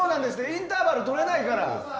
インターバル取れないから！